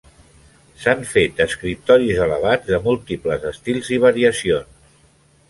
S'han fet escriptoris elevats de múltiples estils i variacions.